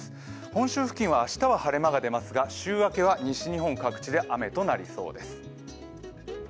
本州付近は明日は晴れ間が出ますが週明けは西日本各地で雨となりそうです。